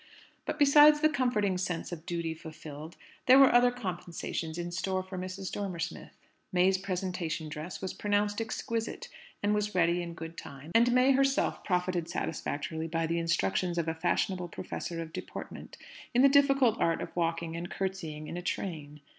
But besides the comforting sense of duty fulfilled, there were other compensations in store for Mrs. Dormer Smith. May's presentation dress was pronounced exquisite, and was ready in good time; and May herself profited satisfactorily by the instructions of a fashionable professor of deportment, in the difficult art of walking and curtsying in a train.